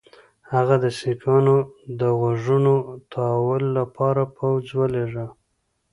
هغه د سیکهانو د غوږونو تاوولو لپاره پوځ ولېږه.